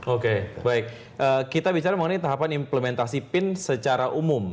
oke baik kita bicara mengenai tahapan implementasi pin secara umum